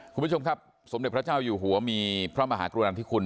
คุณผู้ชมครับสมเด็จพระเจ้าอยู่หัวมีพระมหากรุณาธิคุณ